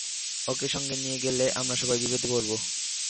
ওকে সঙ্গে নিয়ে গেলে, আমরা সবাই বিপদে পড়ব।